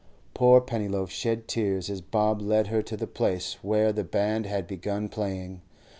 Poor Pennyloaf shed tears as Bob led her to the place where the band had begun playing.